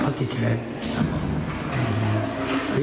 ตายแพ้แล้วนะ